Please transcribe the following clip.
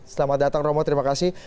selamat datang romo terima kasih